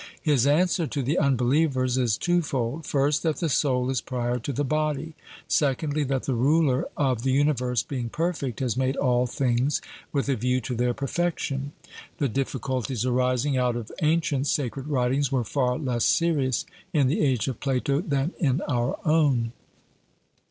His answer to the unbelievers is twofold: first, that the soul is prior to the body; secondly, that the ruler of the universe being perfect has made all things with a view to their perfection. The difficulties arising out of ancient sacred writings were far less serious in the age of Plato than in our own.